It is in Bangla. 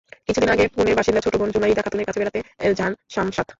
কিছুদিন আগে পুনের বাসিন্দা ছোট বোন জুনাইদা খাতুনের কাছে বেড়াতে যান শামশাদ।